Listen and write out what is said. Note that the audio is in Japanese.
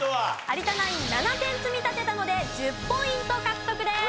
有田ナイン７点積み立てたので１０ポイント獲得です！